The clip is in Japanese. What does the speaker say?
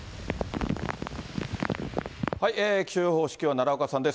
気象予報士、きょうは奈良岡さんです。